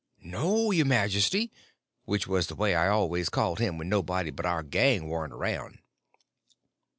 "No, your majesty"—which was the way I always called him when nobody but our gang warn't around.